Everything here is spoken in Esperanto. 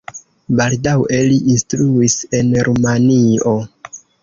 Baldaŭe li instruis en Rumanio.